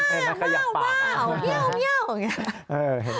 เม่าเหี้ยวอย่างนี้